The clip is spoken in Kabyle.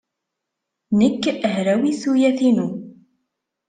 Nekk hrawit tuyat-inu.